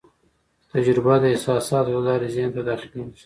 تجربه د احساساتو له لارې ذهن ته داخلېږي.